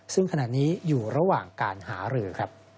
ซึ่งขณะนี้อยู่ระหว่างการหาเหลือ